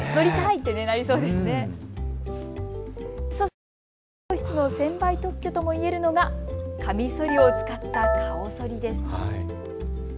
そして理容室の専売特許とも言えるのがカミソリを使った顔そりです。